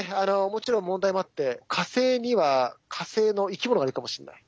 もちろん問題もあって火星には火星の生き物がいるかもしれない。